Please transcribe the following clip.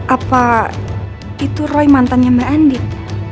apa itu roy mantannya melendit